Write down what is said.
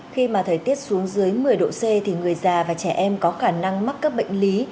khi mà thời tiết xuống dưới một mươi độ c thì người già và trẻ em có khả năng mắc các bệnh lý